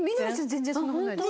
全然そんな事ないです。